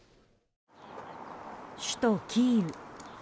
首都キーウ。